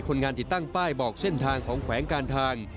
คนงานติดตั้งป้ายบอกเส้นทางของแขวงการทาง